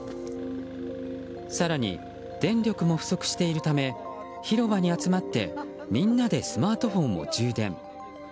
更に、電力も不足しているため広場に集まってみんなでスマートフォンを充電。